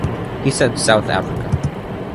He said, South Africa.